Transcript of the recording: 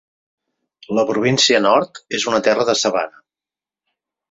La Província Nord és una terra de sabana.